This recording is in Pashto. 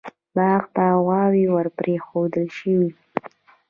باغ ته غواوې ور پرېښودل شوې.